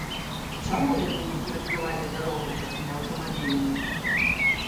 Чаму яны не перакрывалі дарогу гэтымі аўтамабілямі?